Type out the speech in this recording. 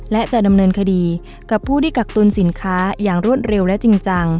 และจะดำเนินคดีกับผู้ที่กักตุลสินค้าอย่างรวดเร็วและจริงจัง